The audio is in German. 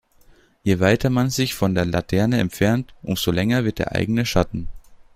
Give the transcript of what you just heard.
Je weiter man sich von der Laterne entfernt, umso länger wird der eigene Schatten.